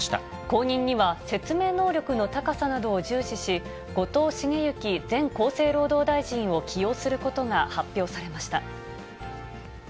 後任には、説明能力の高さなどを重視し、後藤茂之前厚生労働大臣を起用することが発表されました。